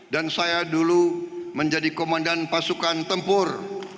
dan saya dulu menjadi komandan pasukan tempur